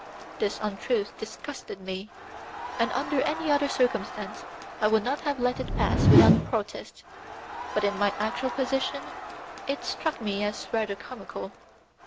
This untruth disgusted me, and under any other circumstances I would not have let it pass without protest, but in my actual position it struck me as rather comical.